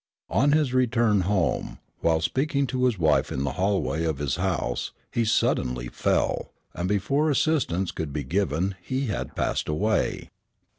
On his return home, while speaking to his wife in the hallway of his house, he suddenly fell, and before assistance could be given he had passed away.